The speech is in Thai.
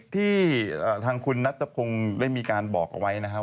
ที่ทางคุณนัทพงศ์ได้มีการบอกเอาไว้นะครับ